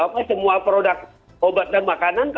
apa semua produk obat dan makanan